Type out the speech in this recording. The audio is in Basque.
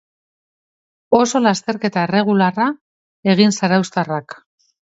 Oso lasterketa erregularra egin zarauztarrak.